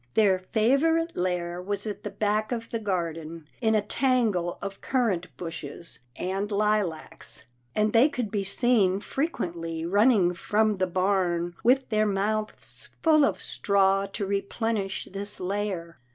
Their favourite lair was at the back of the garden, in a tangle of currant bushes and lilacs, and they could be seen frequently running from the bafn with their mouths full of straw to re plenish this lair.